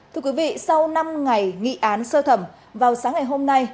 thưa quý vị sau năm ngày nghị án sơ thẩm vào sáng ngày hôm nay